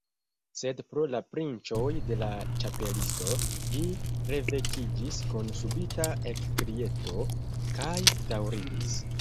Sed pro la pinĉoj de la Ĉapelisto, ĝi revekiĝis kun subita ekkrieto, kaj daŭrigis.